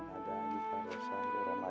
ramadan hajiz sanatilillahita'ala